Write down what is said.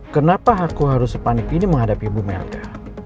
kenapa aku harus sepanik ini menghadapi ibu melda